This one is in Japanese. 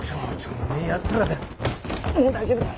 もう大丈夫です。